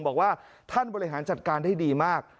บอกว่าท่านบริหารจัดการได้ดีมาก